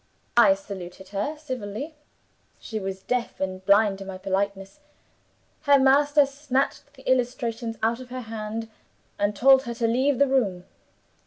I saluted her civilly she was deaf and blind to my politeness. Her master snatched the illustrations out of her hand, and told her to leave the room.